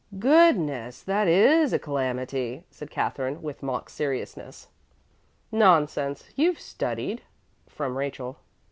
"Goodness! That is a calamity!" said Katherine with mock seriousness. "Nonsense! You've studied," from Rachel.